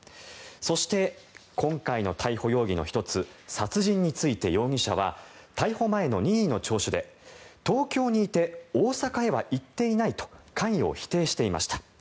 そして、今回の逮捕容疑の１つ殺人について容疑者は逮捕前の任意の聴取で東京にいて大阪へは行っていないと関与を否定していました。